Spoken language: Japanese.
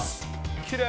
きれい。